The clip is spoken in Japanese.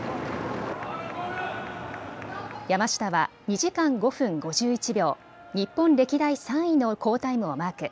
山下は２時間５分５１秒、日本歴代３位の好タイムをマーク。